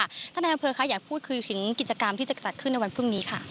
ท่านนายอำเภอคะอยากพูดคุยถึงกิจกรรมที่จะจัดขึ้นในวันพรุ่งนี้ค่ะ